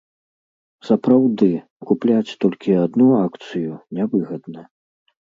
Сапраўды, купляць толькі адну акцыю нявыгадна.